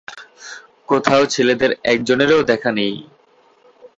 কোথাও ছেলেদের একজনেরও দেখা নেই।